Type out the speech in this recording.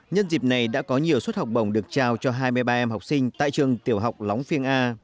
nhân dịp này đã có nhiều suất học bổng được trao cho hai mươi ba em học sinh tại trường tiểu học lóng phiêng a